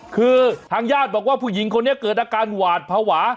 คือทางญาติบอกว่าผู้หญิงคนนี้เกิดอาการหวาดภาวะ